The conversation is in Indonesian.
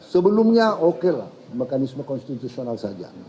sebelumnya oke lah mekanisme konstitusional saja